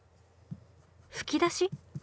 吹き出し？